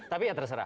tapi ya terserah